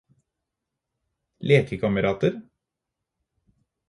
lekekamerater